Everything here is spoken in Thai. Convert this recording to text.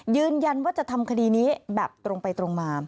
ยืนยันว่าจะทำคดีนี้แบบตรงไปตรงมา